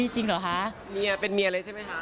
จริงเหรอคะ